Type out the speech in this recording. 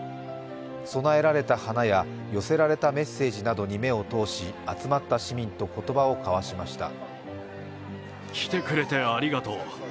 供えられた花や寄せられたメッセージなどに目を通し集まった市民と言葉を交わしました。